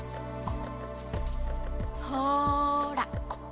ほら。